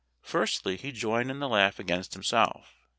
Firstly, he joined in the laugh against himself.